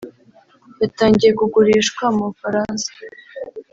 yatangiye kugurishwa mu Bufaransa